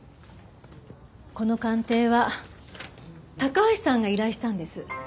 この鑑定は高橋さんが依頼したんです。